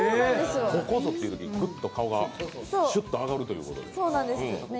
ここぞというときにグッと顔がシュッと上がるという。